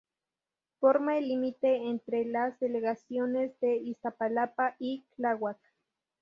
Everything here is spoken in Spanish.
Forma el límite entre las delegaciones de Iztapalapa y Tláhuac.